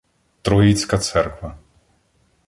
Троїцька церква.